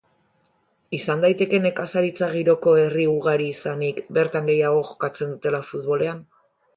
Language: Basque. Izan daiteke nekazaritza giroko herri ugari izanik, bertan gehiago jokatzen dutela futbolean?